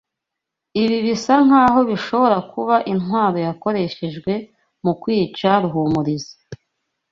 Ibi bisa nkaho bishobora kuba intwaro yakoreshejwe mu kwica Ruhumuriza.